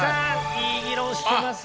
いい議論してますね。